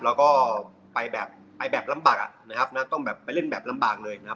แล้วก็ไปแบบไปแบบลำบากอ่ะนะครับนะต้องแบบไปเล่นแบบลำบากเลยนะครับ